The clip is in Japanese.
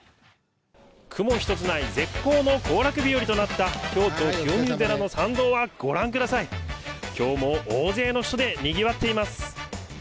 雲一つない絶好の行楽日和となった、京都・清水寺の参道は、ご覧ください、きょうも大勢の人でにぎわっています。